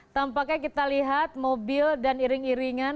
tampaknya kita lihat mobil dan iring iringan